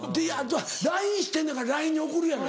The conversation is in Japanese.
ＬＩＮＥ知ってんのやからＬＩＮＥで送るやろ。